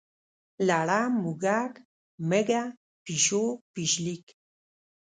لړم، موږک، مږه، پیشو، پیښلیک.